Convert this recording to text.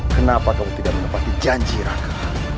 kenapa kamu tidak mendapati janji raka